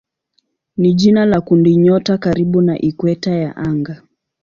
ni jina la kundinyota karibu na ikweta ya anga.